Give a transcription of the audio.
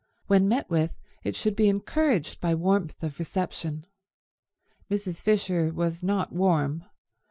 When met with it should be encouraged by warmth of reception. Mrs. Fisher was not warm.